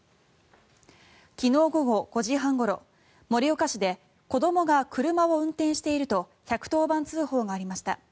昨日午後５時半ごろ、盛岡市で子どもが車を運転していると１１０番通報がありました。